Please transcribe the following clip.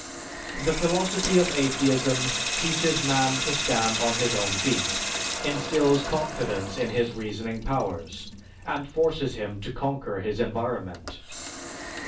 The philosophy of atheism teaches man to stand on his own feet, instills confidence in his reasoning powers, and forces him to conquer his environment.